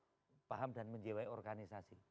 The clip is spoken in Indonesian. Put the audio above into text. tidak paham dan menjewai organisasi